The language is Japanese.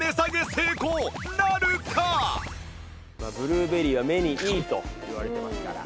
ブルーベリーは目にいいといわれてますから。